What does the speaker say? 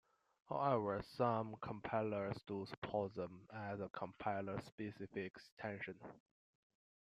However, some compilers do support them, as a compiler specific extension.